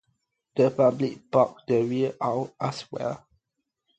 The public bought the real Owl as well.